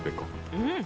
うん。